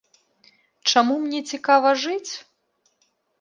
Чаму мне цікава жыць?